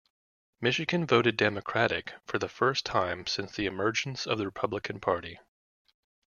Michigan voted Democratic for the first time since the emergence of the Republican Party.